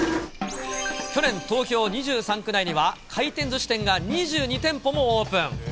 去年、東京２３区内には回転ずし店が２２店舗もオープン。